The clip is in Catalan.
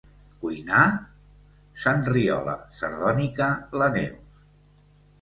Cuinar? —s'enriola sardònica la Neus—.